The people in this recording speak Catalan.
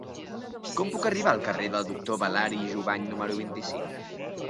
Com puc arribar al carrer del Doctor Balari i Jovany número vint-i-cinc?